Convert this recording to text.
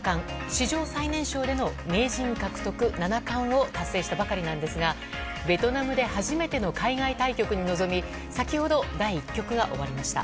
史上最年少での名人獲得七冠を達成したばかりなんですがベトナムで初めての海外対局に臨み先ほど、第１局が終わりました。